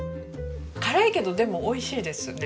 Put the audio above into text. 辛いけどでもおいしいですね。